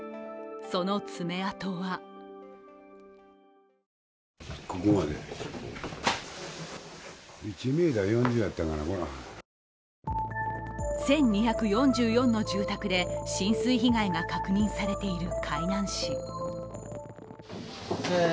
その爪痕は１２４４の住宅で浸水被害が確認されている海南市。